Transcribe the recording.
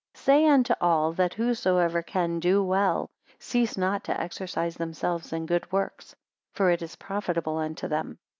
24 Say unto all that whosoever can do well, cease not to exercise themselves in good works, for it is profitable unto them.